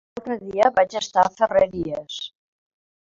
L'altre dia vaig estar a Ferreries.